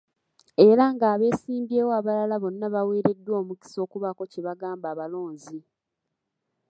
Era nga abeesimbyewo abalala bonna bawereddwa omukisa okubaako kye bagamba abalonzi.